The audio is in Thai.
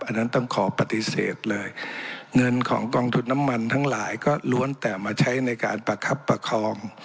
อันนั้นต้องขอปฏิเสธเลยเงินของกองทุนน้ำมันทั้งหลายก็ล้วนแต่มาใช้ในการประคับประคอง